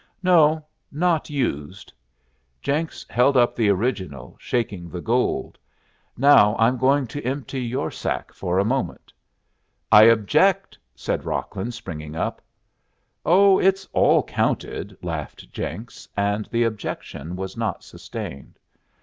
"No; not used." Jenks held up the original, shaking the gold. "Now I'm going to empty your sack for a moment." "I object," said Rocklin, springing up. "Oh, it's all counted," laughed Jenks; and the objection was not sustained.